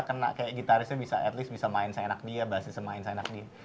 sebenarnya bisa kena kayak gitarisnya bisa at least bisa main seenak dia bassnya bisa main seenak dia